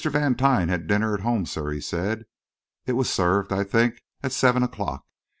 Vantine had dinner at home, sir," he said. "It was served, I think, at seven o'clock.